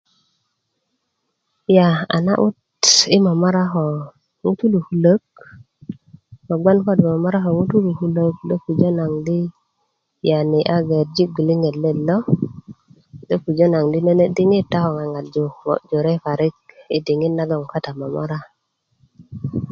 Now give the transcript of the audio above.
aaa ano'a'bit yi momora lo ŋutulu kulök kogbon ko do a momora ko ŋutulu kulök do pujö naŋ di a gayerji' gbiliŋet let lo do pujö di nene' diŋit ta ko ŋaŋarju kulya jore parik yi diŋit nagoŋ ko ta momora